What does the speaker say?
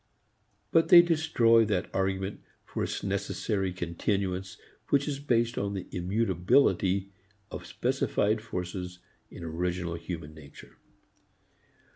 But they destroy that argument for its necessary continuance which is based on the immutability of specified forces in original human nature.